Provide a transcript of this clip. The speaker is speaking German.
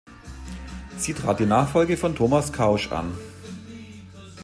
Sie trat die Nachfolge von Thomas Kausch an.